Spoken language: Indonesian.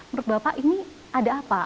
menurut bapak ini ada apa